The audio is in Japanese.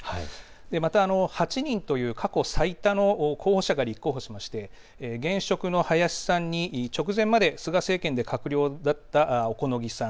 また８人という過去最多の候補者が立候補しまして現職の林さんに直前まで菅政権で閣僚だった小此木さん